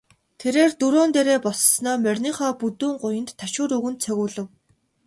Тэрээр дөрөөн дээрээ боссоноо мориныхоо бүдүүн гуянд ташуур өгөн цогиулав.